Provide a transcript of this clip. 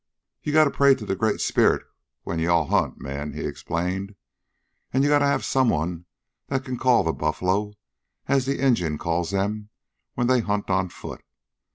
"Ye got to pray to the Great Speret when all ye hunt, men," he explained. "An' ye got to have someone that can call the buffler, as the Injuns calls that when they hunt on foot.